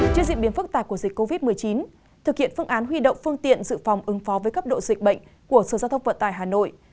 trước diễn biến phức tạp của dịch covid một mươi chín thực hiện phương án huy động phương tiện dự phòng ứng phó với cấp độ dịch bệnh của sở giao thông vận tải hà nội